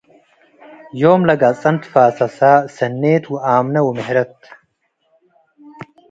ዮም ለገጸን ትፈሰሰ ሰ’ኔት ወኣምነ ወምህረት